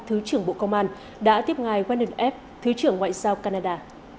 thứ trưởng bộ công an đã tiếp ngài weldon f thứ trưởng ngoại giao canada